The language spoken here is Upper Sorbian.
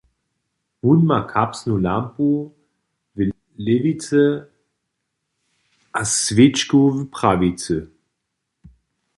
Wón ma kapsnu lampu w lěwicy a swěčku w prawicy.